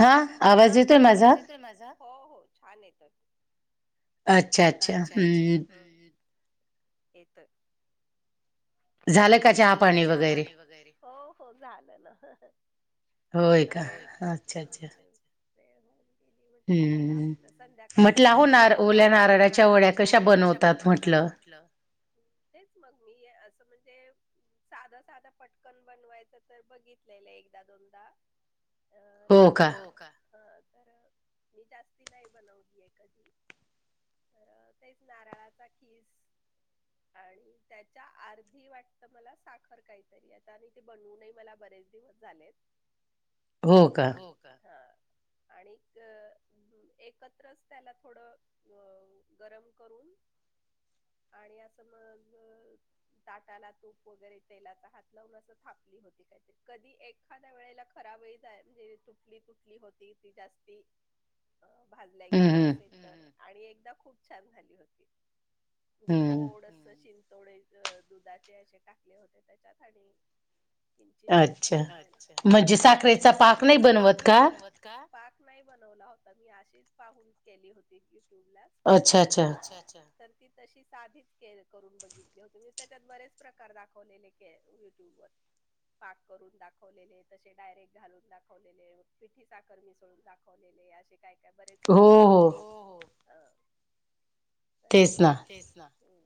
हा. हा आवाज येतोय माझा हो हो छान येतोय. अच्छा अच्छा हम्म हे तरो झालं का चहापाणी वगैरे हो हो झालं. आता काच्छ अच्छ. ग म्हट चला संध्याकाळ म्हट हो नार ओल्या नारळाच्या वड्या कशा बनवतात. तेच मग मी असं म्हणजे साधा साधा पटकन बनवायचं तर बघितलंल एकदा दोनदा अ नारळ तर मी जास्ती नाही बनवलीय कधी तर तेच नारळाचा खीस [unintelligible] आणि त्याच्या अर्धी वाटतं मला साखर काहीतरी आता आणि ते बनवूनही मला बरेच दिवस झालेत. [unintelligible] हा आणि एकत्रच त्याला थोडं अ गरम करून आणि असं म ताटाला तूप वगैरे तेलाचा हात लावून अस थापली होती काय? कधी एखाद्या वेळेला खराबही जा म्हणजे तुटली तुटली होती ती जास्ती- [unintelligible] अ भाजल्या गेली असेल तर आणि एकदा खूप छान झाली होती. म्हणजे थोडस शिंतोडे दुधाचे असे टाकले होते त्याच्यात आणि- अच्छा म्हणजे साखरेचा पाक नाही बनवत. का पाक नाही बनवला होता मी अशीच पाहून केली होती युट्यूब ला. अच्छा अच्छा. तर ती तशी साधीच करून बघितली होती मी त्याच्यात बरेच प्रकार दाखवले. के यूट्यूबत. पाक करून दाखवलेले तसे डायरेक्ट घालून दाखवलेले पिठी साखर मिसळून दाखव. [unintelligible] काय काय बरेच होते हो हो तर मी तेच ना. हो.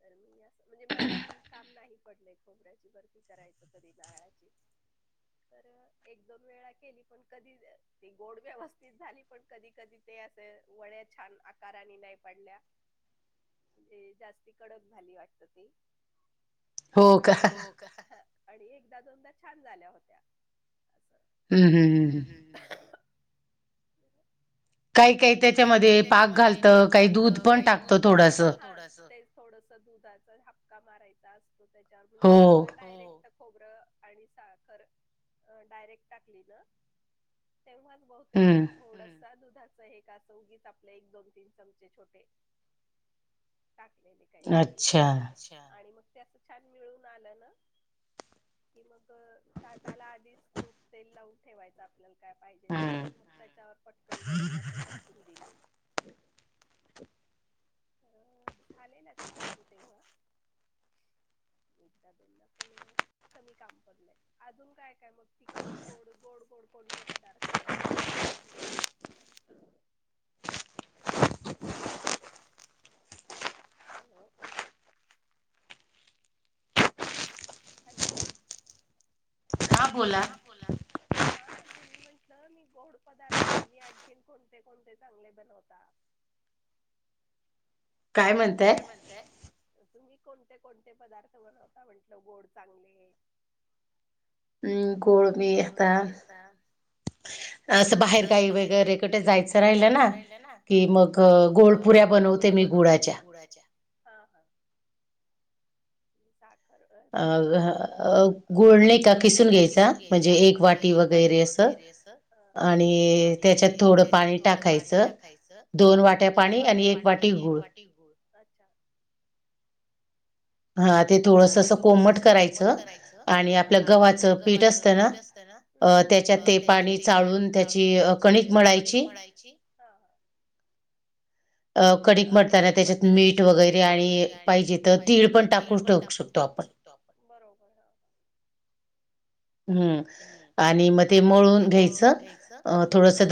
तर मी अस म्हणजे मला काम नाही पडले. खोबऱ्याची बर्फ करायचं कधी डळाची तर एक दोन वेळा केली पण कधी ती गोड व्यवस्थित झाली पण कधी कधी ते असे वड्या छान आकारानी नाही पडल्या. [unintelligible] म्हणजे जास्ती कडक झाली वाटत तेी आणि आणि एकदा दोनदा छान झाल्या होत्या अस. ह. बरो. काही काही त्याच्यामध्ये पाक घालत काही दूध पण टाकत थोडस. थोडस दुधाचा हपका मारायचा असतो त्याच्यावर म्हणजे साखर डायरेक्ट- खोब आणि, साखर डायरेक्ट टाकली ना तेव्हाच भवतेक क मी थोडसा दुधाच हे एक, असं उगीच आपलं, एक दोन तीन चमचे छोटे. टाकलेले काहीतरी आणि मग, ते असं छान मिळून आलं ना कि मग ताटाला आधीच, तूप तेल लावून ठेवायचं आप आपल्याला काय पाहिजे ते, आणि मग त्याच्यावर पटकन गरम अस [unintelligible] दिलेलं. अ झालेलं ते, छान तेव्हा, एकदा, दोनदा, पण कमी काम पडलंय. अजून काय काय मग, तिखट गोड, गोड, गोड कोणते पदार्थ बनवतात छान तुम्ही अजून? हॅलो! हॅलो? हा तुम्ही, म्हटलं मी गोड पदार्थ, तुम्ही आणखीन कोणते कोणते चांगले बनवता. काय म्हणताय? तुम्ही कोणते कोणते पदार्थ बनवता म्हटल गोड चांगले. कोळमी आता [unintelligible] असं बाहेर काही, वगैरे कुठे, जायचं राहिलं ना. कि मग, गोडपुऱ्या बनवते मी गुळाच्या साखर त्याच्यात गुळ नाही का, किसून घ्यायचा म्हणजे, एक वाटी वगैरे वगैरे अस, आणि त्याच्यात थोडं, पाणी टाकायचं. दोन वाट्या पाणी, आणि एक वाटी गुळ, हा ते थोडस असं, कोमट करायचं आणि, आपलं गव्हाचं पीठ असतं ना त्याच्यात ते, पाणी चाळून त्याची, कणिक मळयची, अ कनिक मलताना, त्याच्यात मीठ, वगैरे आणि पाहिजे तर तीळ, पण टाकून ठेवू शकतो. बरोबर हा, आणि मग ते मूळू घ्यायच,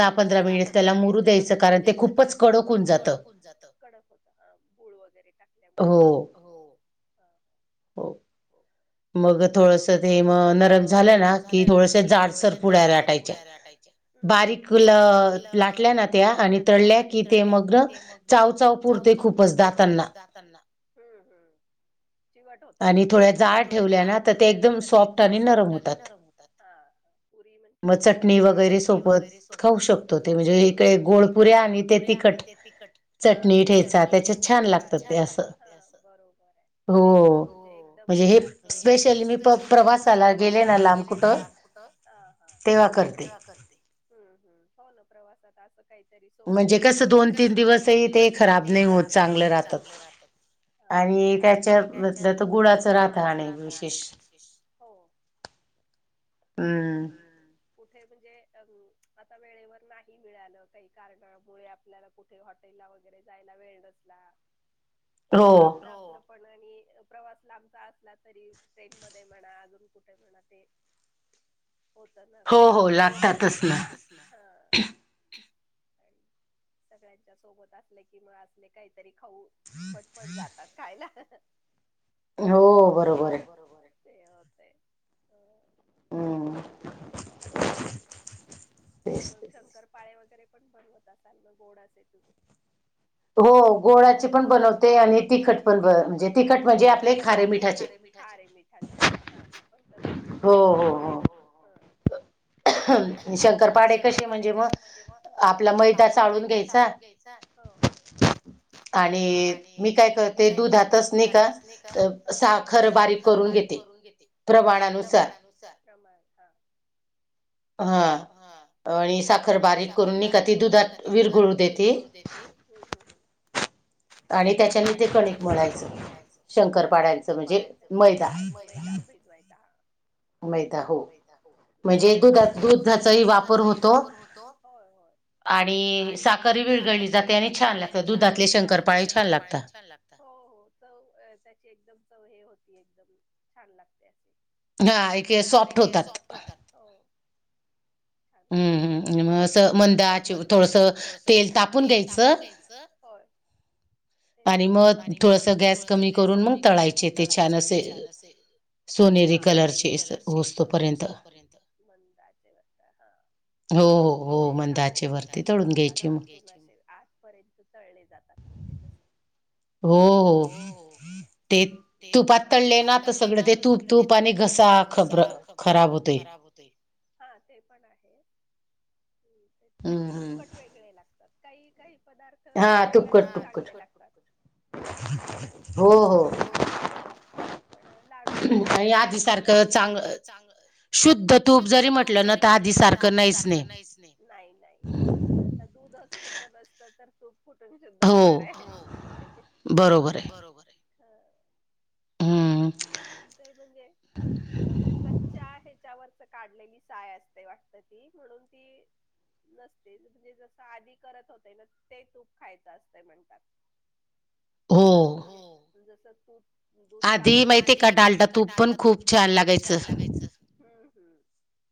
थोडस दहा, पंधर, पंधरा मिनिट त्यालमरू द्यायचं, कारण ते खूपच कडक होऊन जातं, कडक होत गूळ वगैरे टा मुळे हो, हो, मग थोडस ते म नरम झालं, ना की थोडस जाडसर पुुडायला लाटायचे, बारीकला लाटल्या ना त्या, आणि तळल्या कि ते मग चाव, चाव पुरते खूपच दातांना. चिवट होतात मग त्या, आणि थोड्या जाड ठेवल्या ना तर, ते एकदम सॉफ्ट, आणि नरम होतात. पुरी म्हटलं तर, थोडी चटणी वगैरे, सोबत खाऊ शकतो. ते म्हणजे इकडे गोडपुरीे आणि ते तिखट ह त चटणी ठ्यायचा, त्याची छान लागतात ते अस. बरोबर आहे. वेगळं हो एकदम सारख, हे स्पेशली मी प्रवासाला गेले ना लांब कुठं, तेव्हा करते, हम हम, हो ना प्रवासात काहीतरी सोबत, म्हणजे कस दोन, तीन दिवसही, ते खराब नाही होत, चांगलं राहतात. ह, आणि त्याच्या म्हटलं तर गुळाच राथ नाही, विशेष हो, तेच ना, कुठे म्हणजे, आता वेळेवर नाही मिळालं, काही कारण मु ळे, आपल्याला कुठे हॉटेल ला वगैरे जायला, वेळ नसला [unintelligible] किंवा आपला पण, आणि प्रवास लांबचा असला तरी, ट्रेन मध्ये म्हणा, अजून कुठे म्हणा ते, होत ना खायला, हो हो, लागत तसलं, हो, सगळ्यांच्या सोबत असले, कि असले काहीतरी खाऊ [unintelligible] दुपट्टा जातात खायला, हो बरोबर [unintelligible] ते होतेय ह हम, मग शंकरपाळे वगैरे पण बनवत असाल, मग गोडच आहे तुम्ही? हो गोळाचे पण बनवते आणि तिखट पण म्हणजे तिखट म्हणजे आपले खारे मिठाचे. खारे मीठ. [unintelligible] पण तसच करते मग. हो हो. शंकर पाडे कसे म्हणजे मग, आपला मैदा चाळून घ्यायचा हो. आणि मी काय करते दूधातच नई का साखर बारीक करून घेते. प्रमाणानुसार हा आणि साखर बारीक करून नई का, ती दुधात विरगळू दे ते, हम्म हम्म हम्म. आणि त्याच्याने ते कणिक मळायचं. शंकरपाड्यांचं म्हणजे मैदा. मैदा. मैदा हो. म्हणजे दुध दुधचाही वापर होतो आणि साखर विळगळली जाते आणि छान लागत दुधातले शंकरपाळी छान लागतं. हो हो चव त्याची एकदम चव हे होती, एकदम छान लागते अस. हा एके सॉफ्ट होतात. होतात. हम्म् मग असं मंद आचेव, थोडसं तेल तापून घ्यायचं. आणि मग थोडस गॅस कमी करून मग तळायचे ते छान असे सोनेरी कलरचे. कलर चे अस होऊसतोपर्यंत. मंद आचेवर हा. हो मंद आचेवरती तळून घ्यायचे. पर्यंत तळले जातात, म्हणजे तसं. हो हो. ते तुपात तळले ना तर सगळं ते तूप तूप आणि घसा खबर खराब होतय. ते. हा ते पण आहे. तुपकट वेगळे लागतात. काही काही पदार्थ तेलातच चांगले लागतात. हो हो. पण लाडू वगैरे [unintelligible] सारखं चांग शुद्ध तूप जरी म्हटलं ना तर, आधी सारखं नाहीच नाही. नाही नाही. आता दूधच शुद्ध नसत तर तूप कुठून सुद्धा होणारय. हो बरोबरय. आणि काही म्हणजे अ -कच्चा हेच्यावर काढलेली साय असते वाटत ती, म्हणून ती नसते. ते जसं आधी करत होते ना, ते तूप खायचं असतं म्हणतात. हो. जस तूप दूध तापू आधी माहितीय का डालटा तूप पण खूप छान लागाय हम्म हम्म,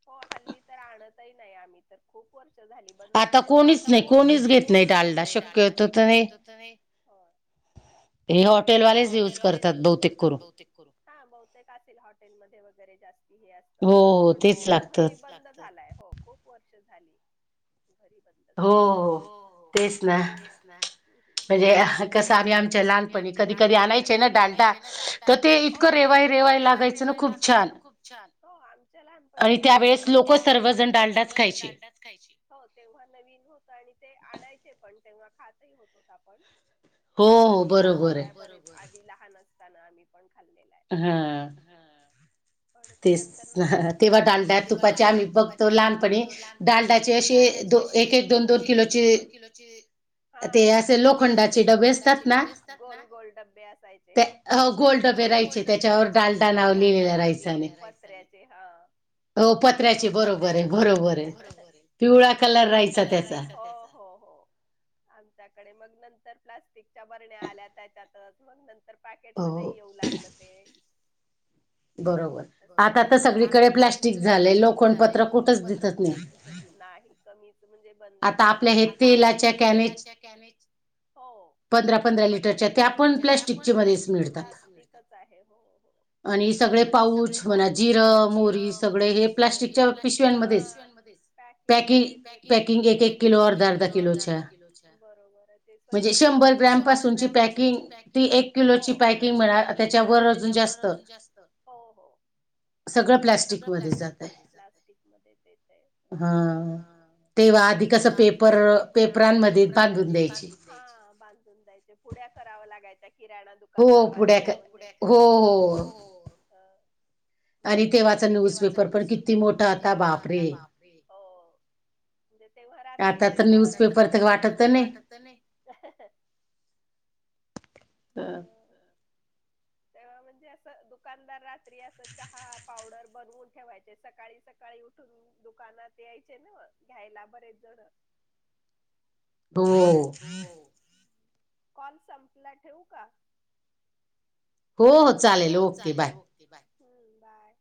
हो हल्ली तर आणतही नाही आम्ही. तर खूप वर्ष झाली बंदचाय डालडा. आता कोणीच नाही कोणीच घेत नाही डालडा. शक्य तो तर नई म्हणजे, हॉटेलवालेच युज करतात बहुतेक करून. हा बहुतेक असेल हॉटेलमध्ये वगैरे जास्ती हे अस पण घरी बंद झालाय, हो खूप वर्ष झाली. घरी बंद घरी बंद झालाय. हो तेच ना, म्हणजे कस आम्ही आमच्या लहानपणी कधी कधी आणायचे ना डालडा. तर ते इतकं रेवाय रेवाय लागयचं ना खूप छान. हो आमच्या लहानपणी पण होत आणि त्यावेळेस लोक सर्वजण डालडा खायचे. हो तेव्हा नवीन होत आणि ते आणायचे पण तेव्हा खातही होत होत आपण. आम्ही खाल्लेला आहे, आधी लहान असताना आम्ही पण खाल्लेलं आहे. ह. ह. पण ते नंतर नंतर तेव्हा डालडा तुपाचे आम्ही बघतो लहानपणी डालडाचे अशी दो एक एक दोन दोन किलोची हा त्याचे असेल लोखंडाचे चे डबे असतात ना गोल गोल डब्बे असायचे गोल डबे राहायचे त्याच्यावर डालडा नाव लिहिलेलं राहायचं पत्र्याचे ह हो पत्र्याची बरोबर आहे बरोबर आहे पिवळा कलर राहायचा त्या हो आमच्याकडे मग नंतर प्लास्टिकच्या बरण्या आल्या त्याच्यातच मग तर पॅकेट मध्ये येऊ लागल ते बरोबर आता तर सगळीकडे प्लास्टिक झाले लोखणपत्र कुठच नाही कमीच म्हणजे बंदच झालाय पण आता आपल्या तेलाच्या कॅम हो पंधरात पंधरा पंधरा लिटरच्या त्या पण प्लास्टिकची भरीस मिळकत प्लास्टिकच आहे हो हो आणि सगळे पाऊच म्हणा जिरं मोहरी सगळे हे प्लास्टिकच्या पिशव्यांमध्येच पॅकिंग मधेच ते अस्त पॅकिंग पॅकिंग एक एक किलो अर्धा अर्धा किलोचे बरोबर हाय ते स्वच्छ करू म्हणजे शंभर ग्रॅम पासूनची पॅकिंग हो ती एक किलोची पॅकिंग म्हणा त्याच्या वर अजून जास्त हो हो आस्तय सगळं प्लास्टिक मध्येच अस्तय प्लास्टिक मध्येच येतय हा तेव्हा आदि कस पेपर पेपरांमध्ये पांडू द्यायाचे हा बांधून द्यायचे पुड्या करावं लागायचा किराणा दु कानदारवाला नवीन हो पुड्या क हो हो हो म्हणजे आणि तेव्हाचा न्यूजपेपर पण किती मोठा होता बाप रे जे तेव्हा रात्री बऱ्याच म्हणजे आता तर न्यूजपेपर तर वाटत तर नाही बरं [inaudible] [unintelligible] तेव्हा म्हणजे असं दुकानदार रात्री असं चहा पावडर बनवून ठेवायचे सकाळी सकाळी उठून दुकानात यायचेन घ्यायला बरेचजण ओ हो कॉल संपला ठेऊ का कोण हो हो चालेल ओके बाय हम बाय